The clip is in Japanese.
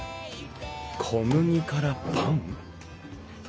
小麦からパン？